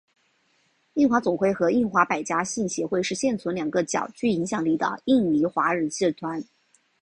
印华总会和印华百家姓协会是现存两个较具影响力的印尼华人社团。